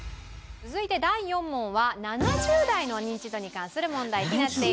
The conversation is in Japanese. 続いて第４問は７０代のニンチドに関する問題になっています。